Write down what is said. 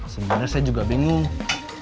sebenarnya saya juga bingung